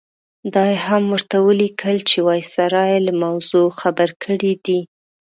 دا یې هم ورته ولیکل چې وایسرا یې له موضوع خبر کړی دی.